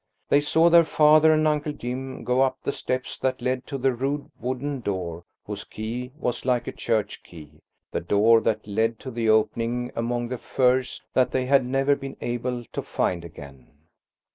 They saw their father and Uncle Jim go up the steps that led to the rude wooden door whose key was like a church key–the door that led to the opening among the furze that they had never been able to find again.